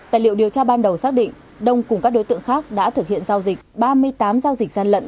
tài liệu điều tra ban đầu xác định đông cùng các đối tượng khác đã thực hiện giao dịch ba mươi tám giao dịch gian lận